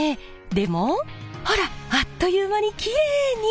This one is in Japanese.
でもほらあっという間にキレイに！